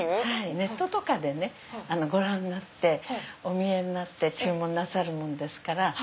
ネットとかでご覧になっておみえになって注文なさるもんですから。